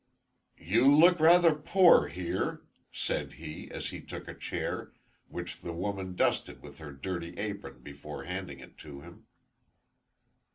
"You look rather poor here," said he, as he took a chair, which the woman dusted with her dirty apron before handing it to him.